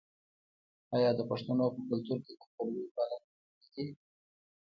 آیا د پښتنو په کلتور کې د خپلوۍ پالل مهم نه دي؟